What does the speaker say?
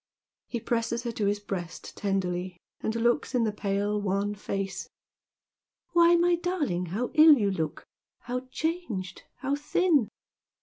He presses her to his breast tenderly, and looks in the pale, wan face. "Why, my darling, how ill you look — ^how changed — how thin